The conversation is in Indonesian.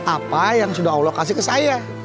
apa yang sudah allah kasih ke saya